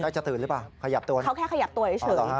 ใครจะตื่นหรือเปล่าเขาแค่ขยับตัวเฉย